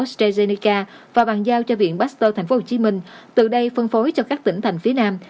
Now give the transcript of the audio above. scrka và bàn giao cho viện pasteur tp hcm từ đây phân phối cho các tỉnh thành phía nam